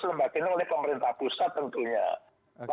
lembaga ini oleh pemerintah pusat tentunya